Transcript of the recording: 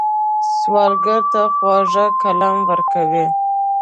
سوالګر ته خواږه کلام ورکوئ